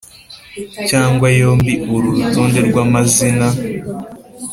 cyangwa yombi Uru rutonde rw amazina